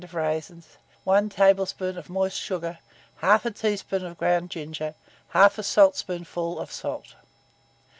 of raisins, 1 tablespoonful of moist sugar, 1/2 teaspoonful of ground ginger, 1/2 saltspoonful of salt.